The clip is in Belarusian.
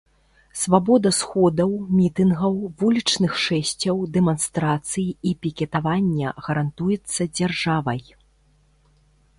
Свабода сходаў, мітынгаў, вулічных шэсцяў, дэманстрацый і пікетавання гарантуецца дзяржавай.